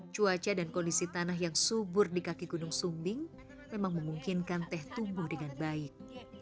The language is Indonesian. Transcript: cuaca dan kondisi tanah yang subur di kaki gunung sumbing memang memungkinkan teh tumbuh dengan baik